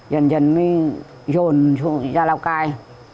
dần dần mới dồn xuống ra lào cai